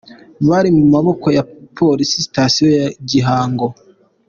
Bari mu maboko ya ya police station ya Gihango.